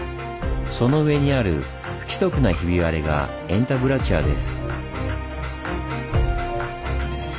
その上にある不規則なひび割れがエンタブラチュアです。